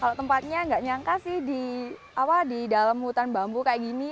kalau tempatnya nggak nyangka sih di dalam hutan bambu kayak gini